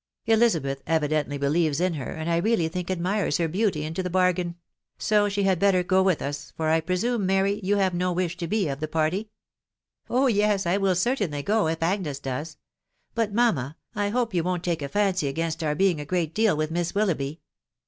Elizabeth evidently believes in her, and I really think admires her beauty into the bargain ; so she had better go with us, for I presume, Mary, you have no wish to be of the party ?"" Oh yes, I will certainly go, if Agnes does. .•. But, mamma, I hope you woVt take a fancy against our being a great deal with Miss Willoughby.